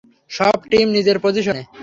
সব টিম নিজের পজিশনে!